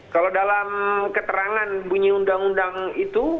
kalau dalam keterangan bunyi undang undang itu